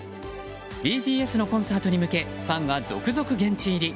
ＢＴＳのコンサートに向けファンが続々現地入り。